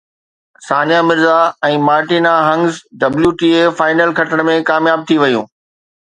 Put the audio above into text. ثانيه Mirza ۽ Martina Hingis WTA final کٽڻ ۾ ڪامياب ٿي ويون